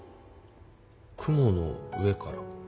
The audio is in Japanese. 雲の上から？